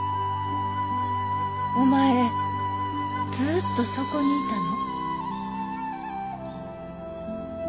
お前ずっとそこにいたの？